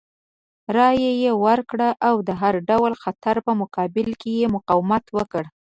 رایه یې ورکړه او د هر ډول خطر په مقابل کې یې مقاومت وکړ.